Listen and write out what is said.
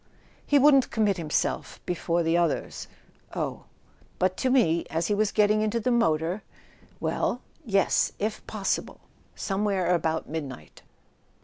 "He wouldn't commit himself, before the oth "Oh " "But to me, as he was getting into the motor " "Well?" "Yes: if possible. Somewhere about midnight."